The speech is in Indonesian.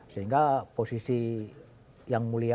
sehingga posisi yang mulia